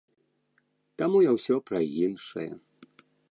Таму я ўсё пра іншае.